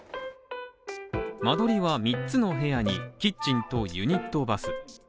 間取りは三つの部屋にキッチンとユニットバス